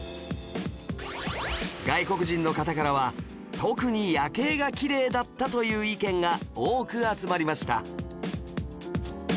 外国人の方からは「特に夜景がきれいだった」という意見が多く集まりました